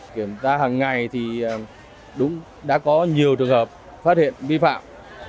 kiểm tra hàng ngày thì đã có nhiều trường hợp phát hiện vi phạm